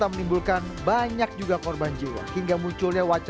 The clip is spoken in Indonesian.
apa bahasa yang pas kira kira